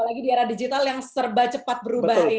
apalagi di era digital yang serba cepat berubah ini